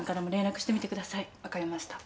分かりました。